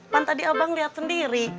kan tadi abang liat sendiri